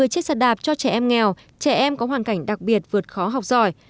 hai mươi chiếc xe đạp cho trẻ em nghèo trẻ em có hoàn cảnh đặc biệt vượt khó học giỏi